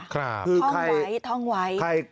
ท่องไว้ท่องไว้